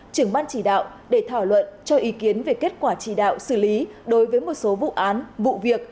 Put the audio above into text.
trưởng ban chỉ đạo để thảo luận cho ý kiến về kết quả chỉ đạo xử lý đối với một số vụ án vụ việc